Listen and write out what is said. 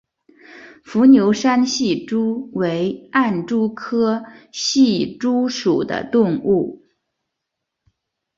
伏牛山隙蛛为暗蛛科隙蛛属的动物。